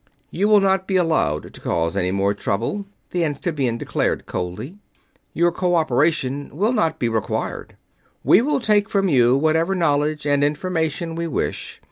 "You will not be allowed to cause any more trouble," the amphibian declared, coldly. "Your cooperation will not be required. We will take from you whatever knowledge and information we wish.